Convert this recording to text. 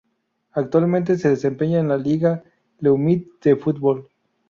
Actualmente se desempeña en la Liga Leumit de fútbol.